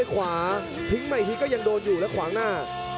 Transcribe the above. ขวาทิ้งมาอีกทีก็ยังโดนอยู่แล้วขวางหน้า